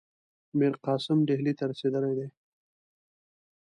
میرقاسم ډهلي ته رسېدلی دی.